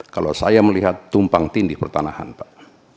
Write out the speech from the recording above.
kalau saya melihat tumpang tindih pertanahan pak